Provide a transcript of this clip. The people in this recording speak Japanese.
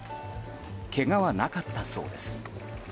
けがはなかったそうです。